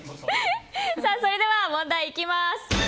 それでは、問題いきます。